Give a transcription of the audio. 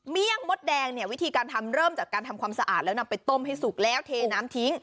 งมดแดงเนี่ยวิธีการทำเริ่มจากการทำความสะอาดแล้วนำไปต้มให้สุกแล้วเทน้ำทิ้ง